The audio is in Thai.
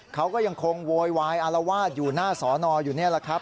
เขาก็ยังคงโวยวายอารวาสอยู่หน้าสอนออยู่นี่แหละครับ